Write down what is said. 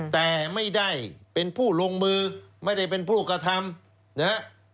แต่ไม่ได้เป็นผู้ลงมือไม่ได้เป็นผู้กระทำนะฮะ